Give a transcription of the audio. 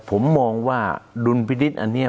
ผมมองว่าดุลพินิษฐ์อันนี้